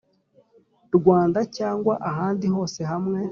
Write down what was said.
Rwanda cyangwa ahandi hose hamwe